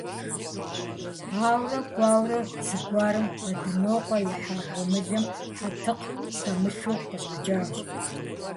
Ауэрэ кӀуэурэ, зэгуэрым Бэдынокъуэ ихьа гъуэмылэм хьэтыкъ хэмылъу къыщӀэкӀащ.